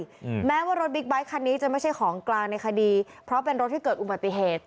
อืมแม้ว่ารถบิ๊กไบท์คันนี้จะไม่ใช่ของกลางในคดีเพราะเป็นรถที่เกิดอุบัติเหตุ